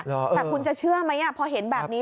แต่คุณจะเชื่อไหมพอเห็นแบบนี้